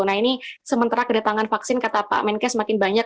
nah ini sementara kedatangan vaksin kata pak menkes semakin banyak